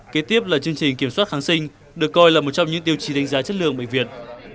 kế tiếp là chương trình kiểm soát kháng sinh được coi là một trong những tiêu chí đánh giá chất lượng bệnh viện